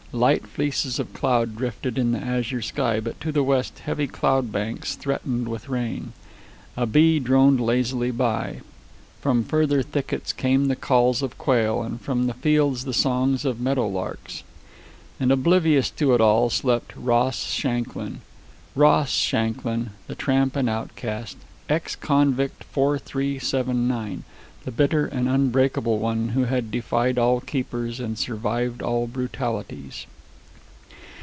Light fleeces of cloud drifted in the azure sky, but to the west heavy cloud banks threatened with rain. A bee droned lazily by. From farther thickets came the calls of quail, and from the fields the songs of meadow larks. And oblivious to it all slept Ross Shanklin Ross Shanklin, the tramp and outcast, ex convict 4379, the bitter and unbreakable one who had defied all keepers and survived all brutalities.